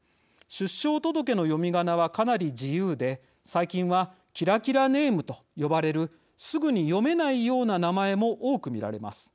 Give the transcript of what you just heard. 出生届の読みがなはかなり自由で最近はキラキラネームと呼ばれるすぐに読めないような名前も多く見られます。